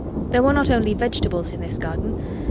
There were not only vegetables in this garden.